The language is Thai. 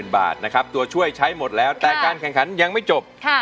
บาทนะครับตัวช่วยใช้หมดแล้วแต่การแข่งขันยังไม่จบ